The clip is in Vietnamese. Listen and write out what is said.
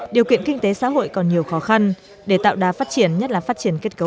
điều kiện kinh tế xã hội còn nhiều khó khăn để tạo đá phát triển nhất là phát triển kết cấu